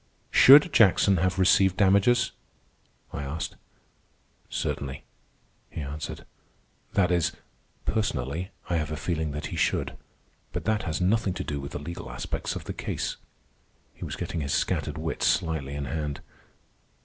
"Should Jackson have received damages?" I asked. "Certainly," he answered. "That is, personally, I have a feeling that he should. But that has nothing to do with the legal aspects of the case." He was getting his scattered wits slightly in hand.